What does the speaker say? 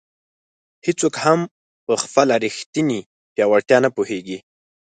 هیڅوک هم په خپله ریښتیني پیاوړتیا نه پوهېږي.